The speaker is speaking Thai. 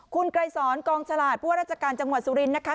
คุณไกรสรกองฉลาดพวกราชการจังหวัดสุรินนะคะ